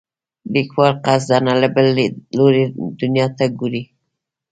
لیکوال قصدا له بل لیدلوري دنیا ته ګوري.